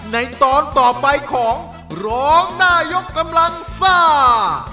ในตอนต่อไปของร้องได้ยกกำลังซ่า